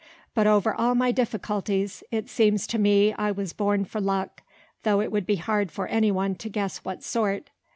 But over all my difficulties, it seems to me I was born for luck, though it would be hard for any one to guess what sort.